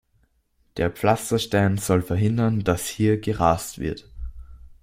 Der Pflasterstein soll verhindern, dass hier gerast wird.